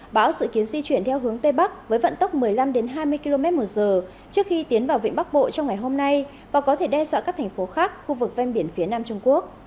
bão dự kiến di chuyển theo hướng tây bắc với vận tốc một mươi năm hai mươi km một giờ trước khi tiến vào vịnh bắc bộ trong ngày hôm nay và có thể đe dọa các thành phố khác khu vực ven biển phía nam trung quốc